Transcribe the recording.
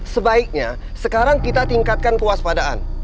sebaiknya sekarang kita tingkatkan kewaspadaan